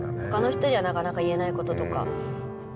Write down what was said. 他の人にはなかなか言えないこととか。